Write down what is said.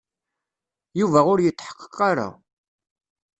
Yuba ur yetḥeqq ara.